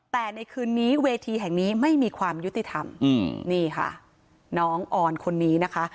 แต่ในคืนนี้เวทีแห่งนี้ไม่มีความยุติธรรมนี่ค่ะน้องออนคนนี้นะคะ